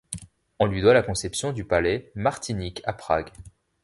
On lui doit la conception du palais Martinic à Prague.